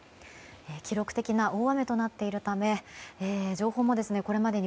記録的な大雨となっているため情報もこれまでに